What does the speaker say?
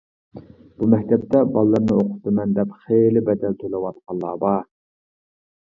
بۇ مەكتەپتە باللىرىنى ئوقۇتىمەن دەپ خېلى بەدەل تۆلەۋاتقانلار بار.